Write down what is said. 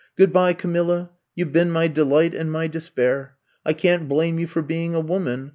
Goodby, Camilla, you Ve been my de light and my despair. I can't blame you for being a woman.